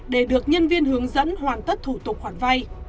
để được nhân viên hướng dẫn hoàn tất thủ tục khoản vay